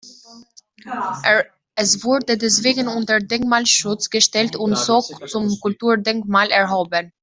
Es wurde deswegen unter Denkmalschutz gestellt und so zum Kulturdenkmal erhoben.